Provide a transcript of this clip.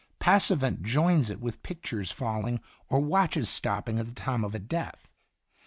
Passavent joins it with pictures falling, or watches stop ping at the time of a death.